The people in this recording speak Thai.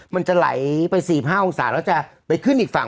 มันจะไหลไป๔๕องศาแล้วจะไปขึ้นอีกฝั่ง